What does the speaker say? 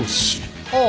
ああ。